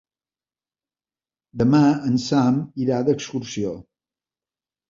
Demà en Sam irà d'excursió.